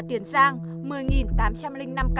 tiền giang một mươi tám trăm linh năm ca